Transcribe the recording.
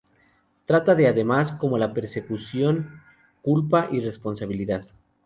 Trata de temas como la persecución, culpa y responsabilidad.